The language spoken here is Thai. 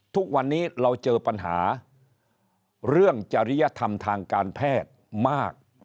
ทุกวันนี้เราเจอปัญหาเรื่องจริยธรรมทางการแพทย์มาก